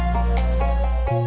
gak taunya dia pulang